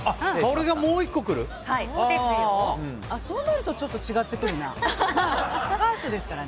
そうなるとちょっと違ってくるな。